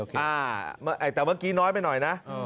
แต่เมื่อกี้น้อยไปหน่อยนะ